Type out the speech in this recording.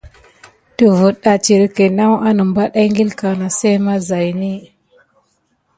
Dəfət etirke naw wanebate eŋgil kana sey mazayin.